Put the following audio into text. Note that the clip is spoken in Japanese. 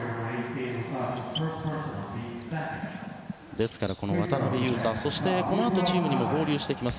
ですから、渡邊雄太そして、このあとチームにも合流してきます